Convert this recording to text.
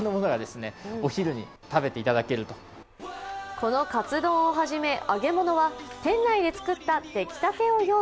このカツ丼をはじめ揚げ物は店内でつくった出来たてを用意。